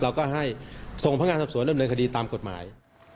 เราก็ให้ทรงพังงานศัพท์สวนดำเนินคดีตามกฎหมาย